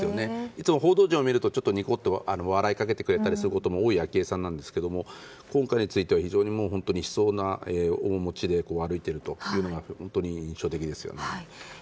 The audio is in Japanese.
いつも報道陣を見ると、ニコッと笑いかけたりすることも多い昭恵さんなんですが今回については本当に悲愴な面持ちで歩いているというのが印象的ですよね。